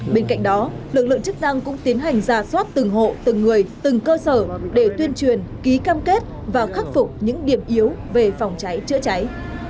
bên cạnh đó lực lượng chức năng cũng tiến hành ra soát từng hộ từng người từng cơ sở để tuyên truyền ký cam kết và khắc phục những điểm yếu về phòng cháy chữa cháy